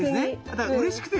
だからうれしくて。